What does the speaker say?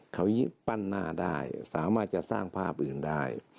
เขาปั้นหน้าได้สามารถจะสร้างภาพอื่นได้